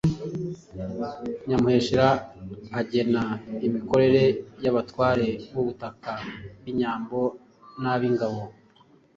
Nyamuheshera agena imikorere y’Abatware b’ubutaka, ab’inyambo n’ab’ingabo.